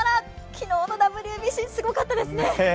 昨日のＷＢＣ、すごかったですね。